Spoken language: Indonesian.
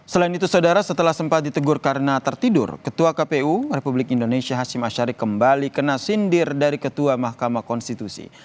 selain itu saudara setelah sempat ditegur karena tertidur ketua kpu republik indonesia hashim ashari kembali kena sindir dari ketua mahkamah konstitusi